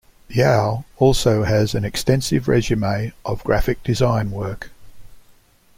Yow also has an extensive resume of graphic design work.